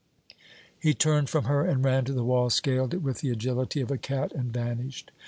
He turned from her and ran to the wall, scaled it with the agility of a cat and vanished.